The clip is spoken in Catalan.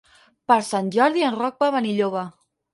Per Sant Jordi en Roc va a Benilloba.